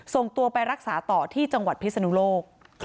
ส่งตัวไปรักษาต่อที่จังหวัดพิศนุโลก